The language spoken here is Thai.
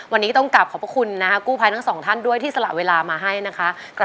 วันนี้ต้องกลับขอบพระคุณนะคะกู้ภัยทั้งสองท่านด้วยที่สละเวลามาให้นะคะ